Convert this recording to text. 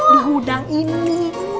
di hudang ini